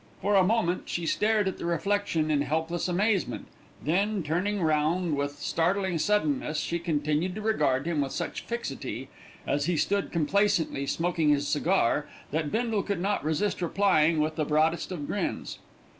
For a moment she stared at the reflection in helpless amazement, then turning round with startling suddenness, she continued to regard him with such fixity as he stood complacently smoking his cigar, that Bindle could not resist replying with the broadest of grins.